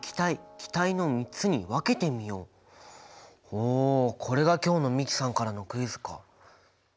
おこれが今日の美樹さんからのクイズか。